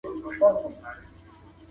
دغه نرمغالی دونه ښه دی چي هر وخت یې کاروم.